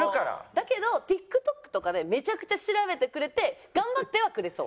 だけどティックトックとかでめちゃくちゃ調べてくれて頑張ってはくれそう。